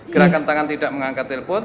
gerakan tangan tidak mengangkat telepon